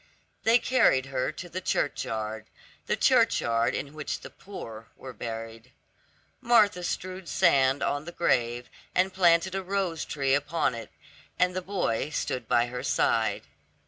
They carried her to the churchyard, the churchyard in which the poor were buried. Martha strewed sand on the grave and planted a rose tree upon it, and the boy stood by her side.